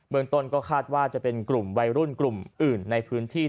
เมืองต้นก็คาดว่าจะเป็นกลุ่มวัยรุ่นกลุ่มอื่นในพื้นที่